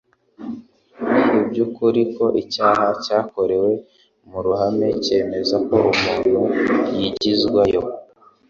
Ni iby'ukuri ko icyaha cyakorewe mu ruhame cyemeza ko umuntu yigizwayo;